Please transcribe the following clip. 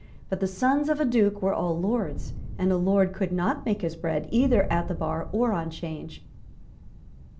But the sons of a Duke were all lords; and a lord could not make his bread either at the bar or on Change.